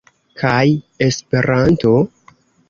Kaj Esperanto?